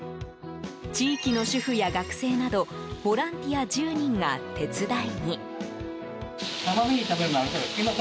地域の主婦や学生などボランティア１０人が手伝いに。